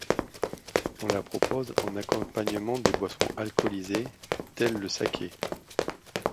On la propose en accompagnement des boissons alcoolisées, tel le saké.